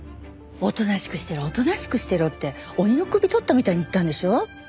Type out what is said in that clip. おとなしくしてろおとなしくしてろって鬼の首とったみたいに言ったんでしょ？